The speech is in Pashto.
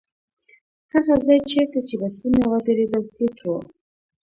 هغه ځای چېرته چې بسونه ودرېدل ټيټ و.